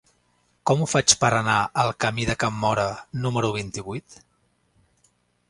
Com ho faig per anar al camí de Can Móra número vint-i-vuit?